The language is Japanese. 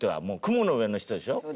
もう雲の上の人でしょ？